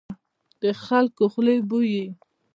د خلکو خولې بويي.